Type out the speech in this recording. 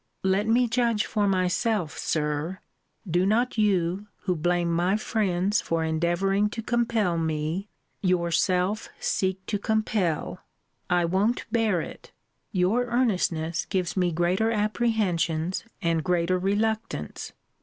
Let my judge for myself, Sir. Do not you, who blame my friends for endeavouring to compel me, yourself seek to compel. I won't bear it. Your earnestness gives me greater apprehensions, and greater reluctance.